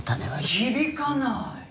「響かない！」